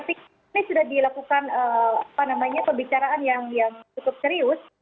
ini sudah dilakukan pembicaraan yang cukup serius